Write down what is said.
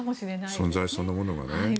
存在そのものがね。